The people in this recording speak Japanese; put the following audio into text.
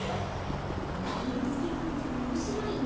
がりのすけくんっておもしろいね。